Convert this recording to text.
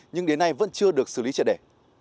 nhưng đến nay vẫn chưa được xử lý triệt đề